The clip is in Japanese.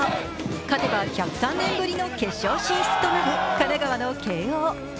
勝てば１０３年ぶりの決勝進出となる神奈川の慶応。